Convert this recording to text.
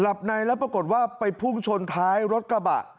ในแล้วปรากฏว่าไปพุ่งชนท้ายรถกระบะ